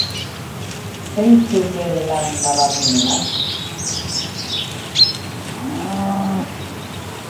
Zeintzuk bere lan nabarmenenak?